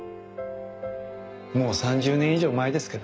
もう３０年以上前ですけど。